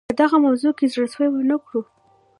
په دغه موضوع کې زړه سوی ونه کړو.